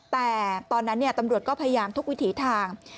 แต่ตอนนั้นตำรวจก็พยายามทุกวิถีทาง